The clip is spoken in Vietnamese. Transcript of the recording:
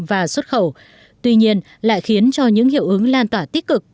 và xuất khẩu tuy nhiên lại khiến cho những hiệu ứng lan tỏa tích cực